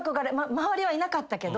周りはいなかったけど。